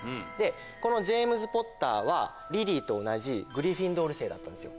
このジェームズ・ポッターはリリーと同じグリフィンドール生だったんですよ。